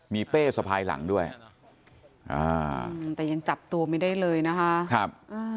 มีเป้สะพายหลังด้วยอ่าแต่ยังจับตัวไม่ได้เลยนะคะครับอ่า